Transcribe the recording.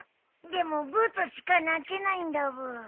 でもブーとしか鳴けないんだブー。